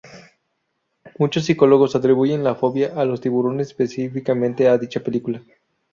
Muchos psicólogos atribuyen la fobia a los tiburones específicamente a dicha película.